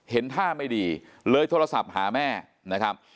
เห็นท่าไม่ดีเลยโทรศัพท์หาแม่นะครับ